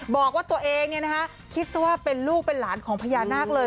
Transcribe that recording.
บอกว่าตัวเองเนี่ยนะคะคิดว่าเป็นลูกเป็นหลานของพญานาคเลย